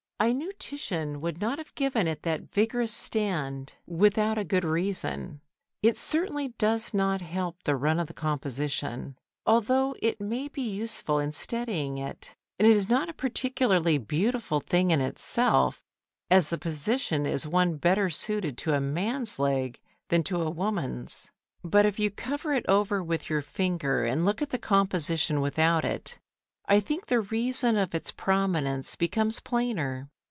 I knew Titian would not have given it that vigorous stand without a good reason. It certainly does not help the run of the composition, although it may be useful in steadying it, and it is not a particularly beautiful thing in itself, as the position is one better suited to a man's leg than to a woman's. But if you cover it over with your finger and look at the composition without it, I think the reason of its prominence becomes plainer.